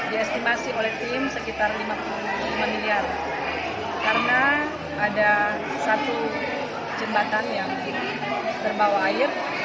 diestimasi oleh tim sekitar lima puluh lima miliar karena ada satu jembatan yang terbawa air